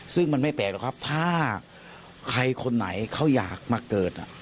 ซึ่งมันไม่แปลกหรอกครับถ้าใครคนไหนเขาอยากมาเกิด